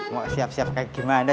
mau siap siap kayak gimana